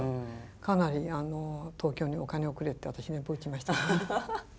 かなり東京にお金をくれって私電報打ちました。